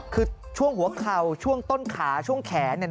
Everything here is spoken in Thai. คือช่วงหัวเข่าช่วงต้นขาช่วงแขนเนี่ย